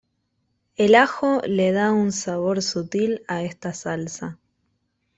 El ajo le da un sabor sutil a esta salsa.